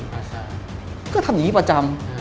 ก็ทำอย่างนี้ประจำ